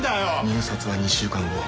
「入札は２週間後。